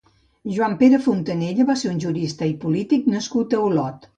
Joan Pere Fontanella va ser un jurista i polític nascut a Olot.